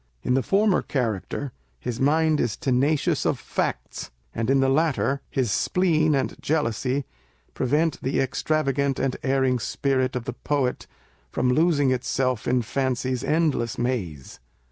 In the former character his mind is tenacious of facts ; and in the latter, his spleen and jealousy prevent the " extra vagant and erring spirit " of the poet from losing itself in Fancy's endless maze.